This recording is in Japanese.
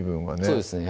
そうですね